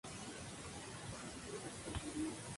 Los modelos con cabina extendida estaban disponibles.